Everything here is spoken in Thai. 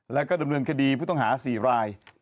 แล้วก็ดำเนินคดีผู้ต้องหา๔ราย